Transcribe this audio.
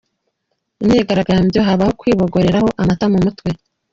Imyigarambo habaho kwibogoreraho amata mu mutwe .